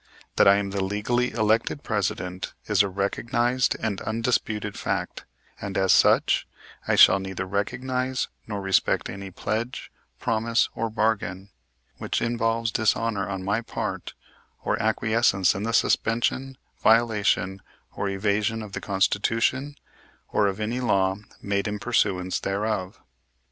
That I am the legally elected President is a recognized and undisputed fact, and, as such, I shall neither recognize nor respect any pledge, promise or bargain which involves dishonor on my part or acquiescence in the suspension, violation or evasion of the Constitution or of any law made in pursuance thereof.